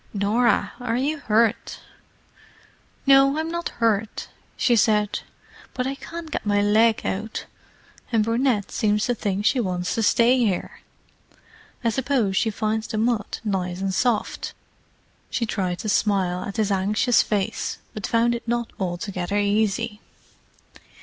"Norah—are you hurt?" "No, I'm not hurt," she said. "But I can't get my leg out—and Brunette seems to think she wants to stay here. I suppose she finds the mud nice and soft." She tried to smile at his anxious face, but found it not altogether easy.